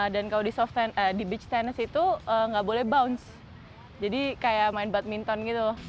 dan kalau di beach tenis itu nggak boleh bounce jadi kayak main badminton gitu